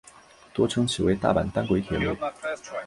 多称其为大阪单轨铁路。